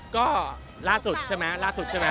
อ๋อก็ล่าสุดใช่มั้ยล่าสุดใช่มั้ย